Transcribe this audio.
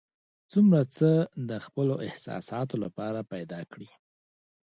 څومره څه د خپلو احساساتو لپاره پیدا کړي.